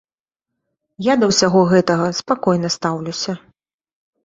Я да ўсяго гэтага спакойна стаўлюся.